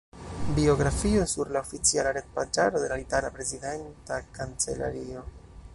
Biografio sur la oficiala retpaĝaro de la itala prezidenta kancelario.